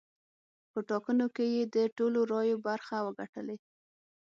په ټاکنو کې یې د ټولو رایو برخه وګټلې.